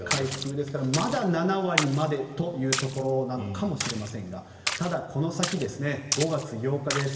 ですからまだ７割までというところなのかもしれませんがただ、この先、５月８日です。